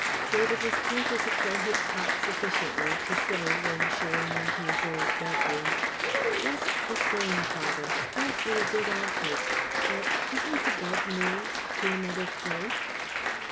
David was careful to play his part sufficiently to say when shown into his old bedroom, "Just the same, father; scarcely a bit altered but isn't the bed moved to another place?"